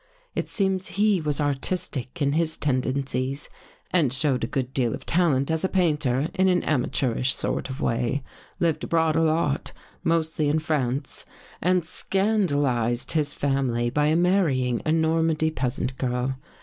It seems he was artistic in his tendencies and showed a good deal of talent as a painter in an amateurish sort of way, lived abroad a lot — mostly in France — and scandalized his 163 THE GHOST GIRL family by marrying a Normandy peasant girl.